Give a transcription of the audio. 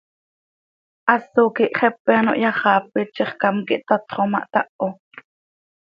Haso quih xepe ano hyaxaapit, zixcám quih tatxo ma, htaho.